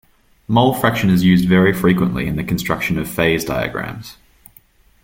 Mole fraction is used very frequently in the construction of phase diagrams.